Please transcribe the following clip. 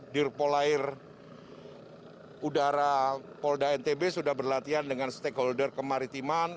dirpolair udara polda ntb sudah berlatih dengan stakeholder kemaritiman